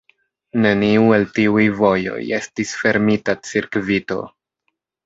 Neniu el tiuj vojoj estis fermita cirkvito.